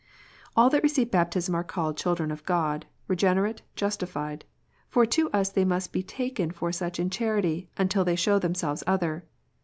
All that receive baptism are called children of God, regenerate, justified : for to us they must be taken for such in charity, until they show themselves other.